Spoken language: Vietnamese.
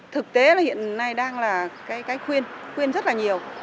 thực tế là hiện nay đang là cái khuyên khuyên rất là nhiều